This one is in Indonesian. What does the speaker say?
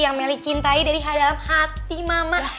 yang meli cintai dari hadalam hati mama